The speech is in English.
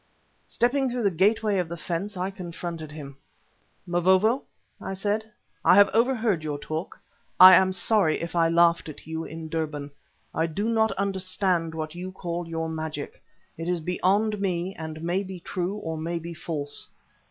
Stepping through the gateway of the fence, I confronted him. "Mavovo," I said, "I have overheard your talk. I am sorry if I laughed at you in Durban. I do not understand what you call your magic. It is beyond me and may be true or may be false.